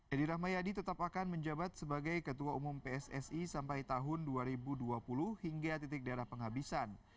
edi rahmayadi tetap akan menjabat sebagai ketua umum pssi sampai tahun dua ribu dua puluh hingga titik daerah penghabisan